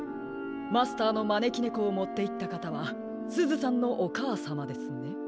マスターのまねきねこをもっていったかたはすずさんのおかあさまですね？